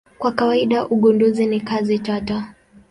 Kwa kawaida ugunduzi ni kazi tata.